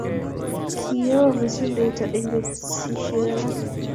Kio mesundeito eng' betsiek alak.